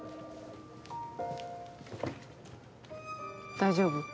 大丈夫？